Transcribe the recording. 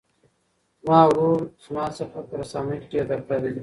زما ورور له ما څخه په رسامۍ کې ډېر تکړه دی.